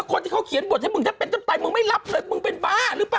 แล้วคนที่เค้าเขียนบทให้มึงได้มันไม่รับเลยว่ามึงเป็นบ้าหรือเปล่า